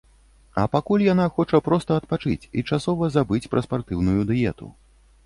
А пакуль яна хоча проста адпачыць і часова забыць пра спартыўную дыету.